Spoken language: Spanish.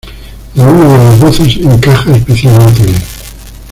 Ninguna de las voces encaja especialmente bien.